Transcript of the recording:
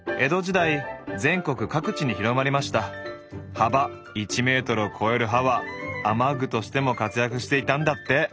幅１ｍを超える葉は雨具としても活躍していたんだって。